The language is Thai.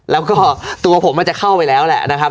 แล้วก็ตัวผมมันจะเข้าไปแล้วแหละนะครับ